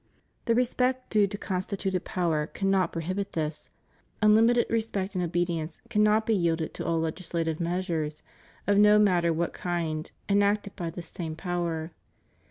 The respect due to constituted power cannot prohibit this: unlimited respect and obedi ence cannot be 5delded to all legislative measures, of no matter what kind, enacted by this same power.